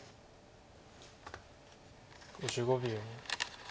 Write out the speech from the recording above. ５５秒。